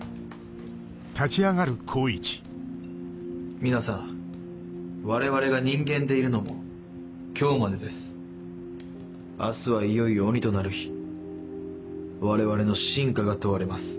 皆さん我々が人間でいるのも今日までです明日はいよいよ鬼となる日我々の真価が問われます